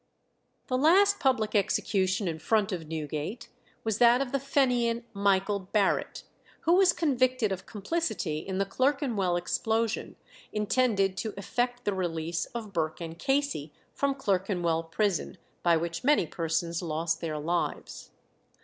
The last public execution in front of Newgate was that of the Fenian Michael Barrett, who was convicted of complicity in the Clerkenwell explosion, intended to effect the release of Burke and Casey from Clerkenwell prison, by which many persons lost their lives.